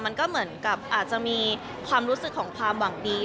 มันก็เหมือนกับอาจจะมีความรู้สึกของความหวังดี